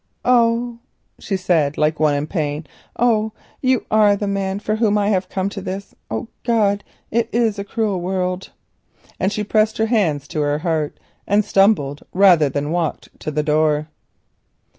"Oh!" she said, like one in pain. "Oh! and you are the man for whom I have come to this! Oh, God! it is a cruel world." And she pressed her hands to her heart and stumbled rather than walked to the door.